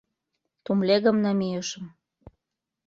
Тумлегым намийышым.